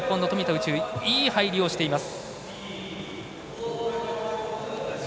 宇宙いい入りをしています。